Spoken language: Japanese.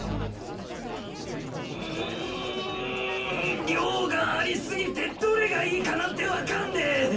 んん量があり過ぎてどれがいいかなんて分かんねぇ。